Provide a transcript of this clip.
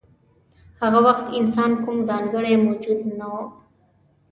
هغه وخت انسان کوم ځانګړی موجود نه و.